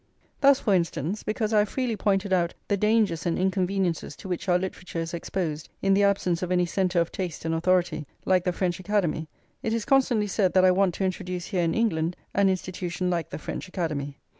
Thus, for instance, because I have freely pointed out the dangers and inconveniences to which our literature is exposed in the absence of any centre of taste and authority like the French Academy, it is constantly said that I want to introduce here in England an institution like the French Academy.